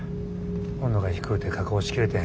温度が低うて加工しきれてへん。